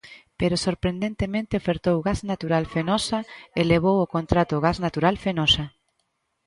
Pero sorprendentemente ofertou Gas Natural-Fenosa e levou o contrato Gas Natural-Fenosa.